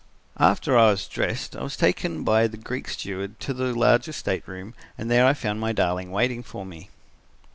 "After I was dressed I was taken by the Greek steward to the larger stateroom and there I found my darling waiting for me."